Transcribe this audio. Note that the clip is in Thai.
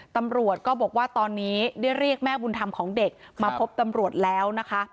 ตำรวจก็บอกว่าตอนนี้ได้เรียกแม่บุญธรรมของเด็กมาพบตำรวจแล้วนะคะ